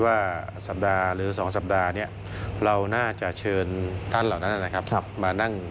มานั่งคุยแล้วก็ชี้แจงถึงวิธีการใช้เครื่อง